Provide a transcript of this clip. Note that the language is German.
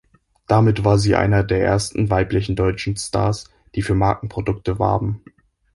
Damit war sie einer der ersten weiblichen deutschen Stars, die für Markenprodukte warben.